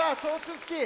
スキー。